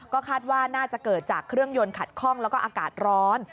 ก็คาดว่าน่าจะเกิดจากเครื่องยนต์ขัดข้องแล้วก็อากาศร้อน